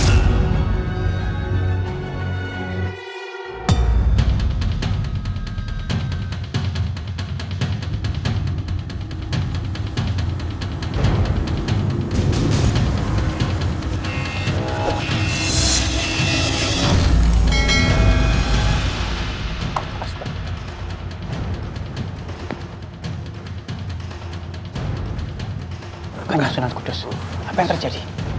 apa yang terjadi